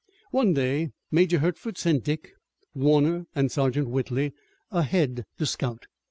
One day Major Hertford sent Dick, Warner, and Sergeant Whitley, ahead to scout.